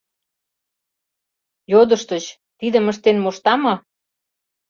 Йодыштыч: тидым ыштен мошта мо?